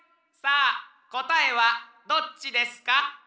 さあこたえはどっちですか？